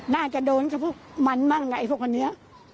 น่าจะโดนพวกมันบ้างหลายพวกคนนี้